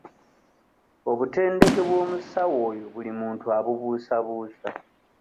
Obuntendeke bw'omusawo oyo buli muntu abubuusabuusa.